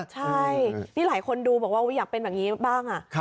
ใช่นี่หลายคนดูบอกว่าอยากเป็นแบบนี้บ้าง